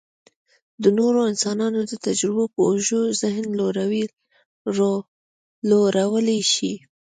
د نورو انسانانو د تجربو په اوږو ذهن لوړولی شي.